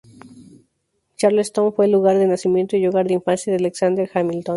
Charlestown fue el lugar de nacimiento y hogar de infancia de Alexander Hamilton.